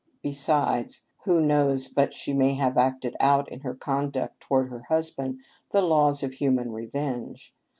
Besides, who knows but she may have acted out in her conduct toward her husband the laws of human revenge